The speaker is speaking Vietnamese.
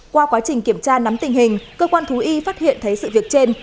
qua quá trình kiểm tra nắm tình hình cơ quan thú y phát hiện thấy sự việc trên